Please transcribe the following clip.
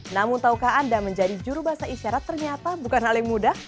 namun tahukah anda menjadi juru bahasa isyarat ternyata bukan hal yang mudah